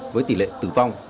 với tỷ lệ tử vong